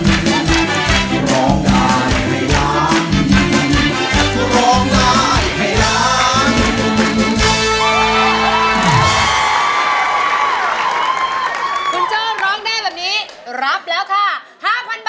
คุณโจ้ร้องได้แบบนี้รับแล้วค่ะ๕๐๐๐บาท